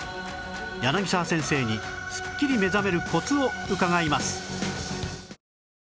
柳沢先生にスッキリ目覚めるコツを伺います